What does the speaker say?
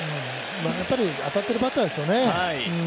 やっぱり当たってるバッターですよね。